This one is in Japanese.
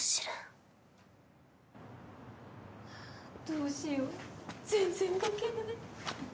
どうしよう全然書けない。